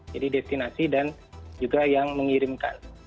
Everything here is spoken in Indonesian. jadi destinasi dan juga yang mengirimkan